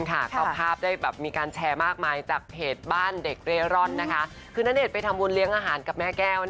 เขาก็มีอาการประมาณนั้นนะครับผม